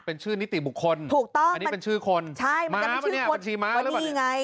เป็นชื่อนิติบุคคลอันนี้เป็นชื่อคนม้ามะเนี่ยบัญชีม้ามะหรือเปล่าเนี่ย